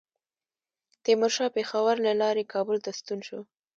تیمورشاه پېښور له لارې کابل ته ستون شو.